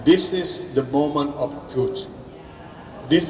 ini adalah saat yang benar